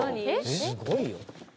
「すごいよ」